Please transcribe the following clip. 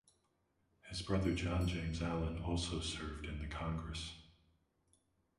His brother John James Allen also served in the Congress.